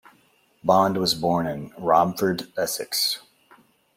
Bond was born in Romford, Essex.